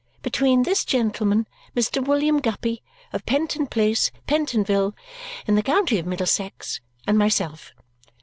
"Between this gentleman, Mr. William Guppy, of Penton Place, Pentonville, in the county of Middlesex, and myself."